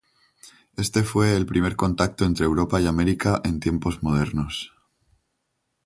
Este fue el primer contacto entre Europa y América en tiempos modernos.